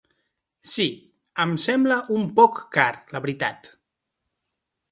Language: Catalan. Sí, em sembla un poc car la veritat.